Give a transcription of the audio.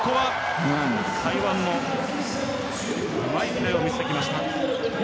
台湾もうまいプレーを見せてきました。